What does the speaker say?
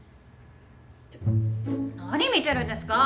ちょっ何見てるんですか！